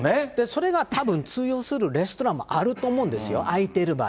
それが多分通用するレストランもあると思うんですよ、空いていれば。